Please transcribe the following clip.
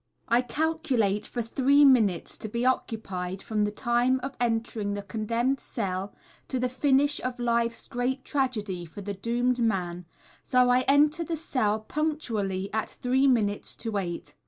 I calculate for three minutes to be occupied from the time of entering the condemned cell to the finish of life's great tragedy for the doomed man, so I enter the cell punctually at three minutes to eight.